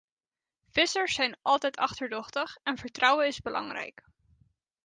Vissers zijn altijd achterdochtig en vertrouwen is belangrijk.